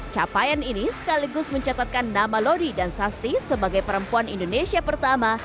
capaian ini sekaligus mencatatkan nama lodi dan sasti sebagai perempuan indonesia pertama